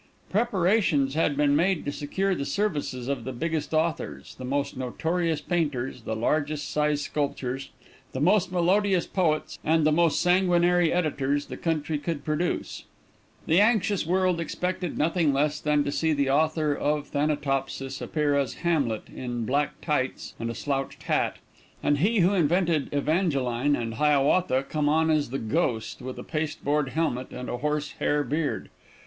Preparations had been made to secure the services of the biggest authors, the most notorious painters, the largest sized sculptors, the most melodious poets, and the most sanguinary editors the country could produce. The anxious world expected nothing less than to see the author of "Thanatopsis" appear as Hamlet in black tights and a slouched hat and he who invented "Evangeline" and "Hiawatha" come on as the Ghost with a pasteboard helmet and a horse hair beard.